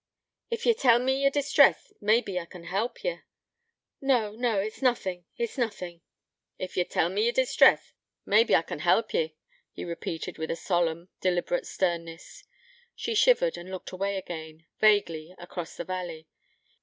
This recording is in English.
'If ye'll tell me yer distress, mabbe I can help ye.' 'No, no, it's nothing... it's nothing.' 'If ye'll tell me yer distress, mabbe I can help ye,' he repeated, with a solemn, deliberate sternness. She shivered, and looked away again, vaguely, across the valley.